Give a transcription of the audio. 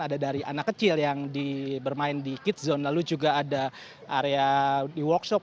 ada dari anak kecil yang bermain di kid zone lalu juga ada area di workshop